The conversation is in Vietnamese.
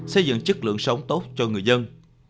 xây dựng chất lượng sống tốt cho người dân